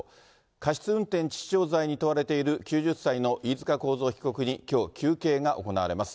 過失運転致死傷罪に問われている９０歳の飯塚幸三被告にきょう、求刑が行われます。